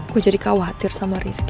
gue jadi khawatir sama rizky